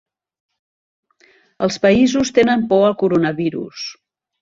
Els països tenen por al coronavirus